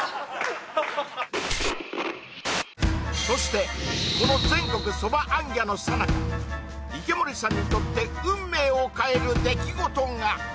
そしてこの全国蕎麦行脚のさなか池森さんにとって運命を変える出来事が！